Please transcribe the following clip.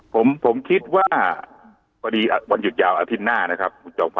ผมคิดว่าพอดีวันหยุดยาวอาทิตย์หน้านะครับคุณจอมขว